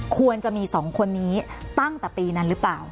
ควรจะมี๒คนนี้ตั้งแต่ปีนั้นหรือเปล่า